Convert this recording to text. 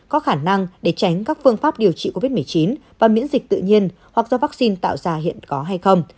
có khả năng để tránh các phương pháp điều trị covid một mươi chín và miễn dịch tự nhiên hoặc do vaccine tạo ra hiện có hay không